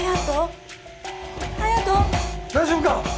大丈夫か？